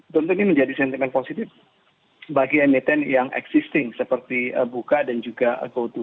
tentu ini menjadi sentimen positif bagi emiten yang existing seperti buka dan juga co dua